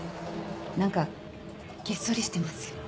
何かげっそりしてますよ。